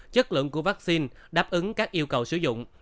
chất lượng của vaccine đáp ứng các yêu cầu sử dụng